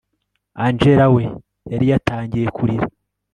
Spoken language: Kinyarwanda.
angella we yari yatangiye kurira